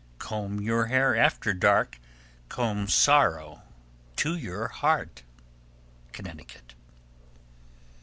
Comb your hair after dark, Comb sorrow to your heart. _Connecticut.